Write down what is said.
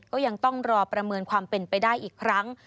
ก็ยังต้องรอประเมินความเป็นไปได้อีกครั้ง